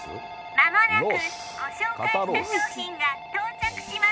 間もなくご紹介した商品が到着します